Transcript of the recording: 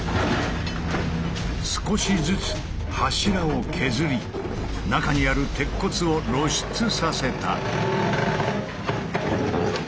少しずつ柱を削り中にある鉄骨を露出させた。